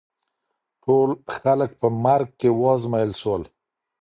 ټول خلګ په مرګ کي وازمایل سول.